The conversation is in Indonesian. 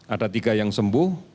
ada tiga yang sembuh